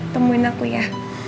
temuin aku ya